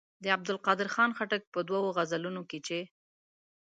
د عبدالقادر خان خټک په دوو غزلونو کې چې.